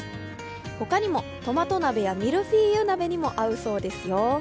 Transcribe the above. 他にもトマト鍋やミルフィーユ鍋にも合うそうですよ。